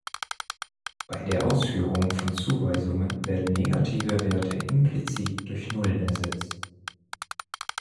Bei der Ausführung von Zuweisungen werden negative Werte implizit durch Nullen ersetzt.